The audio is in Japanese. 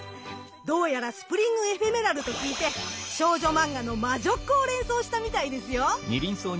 どうやらスプリング・エフェメラルと聞いて少女マンガの魔女っ子を連想したみたいですよ！